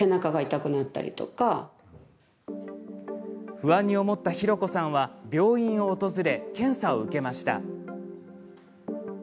不安に思ったひろこさんは病院を訪れ、検査を受けました。